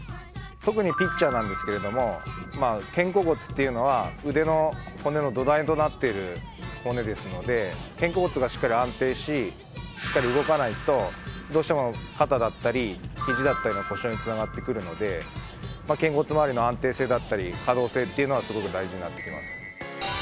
特にピッチャーなんですけれどもまあ肩甲骨っていうのは腕の骨のどだいとなっている骨ですので肩甲骨がしっかり安定ししっかり動かないとどうしても肩だったり肘だったりの故障につながってくるので肩甲骨周りの安定性だったり可動性っていうのはすごく大事になってきます。